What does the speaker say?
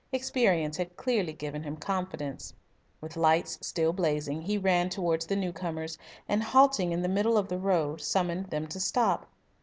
Experience had clearly given him confidence. With lights still blazing, he ran towards the new comers, and, halting in the middle of the road, summoned them to stop.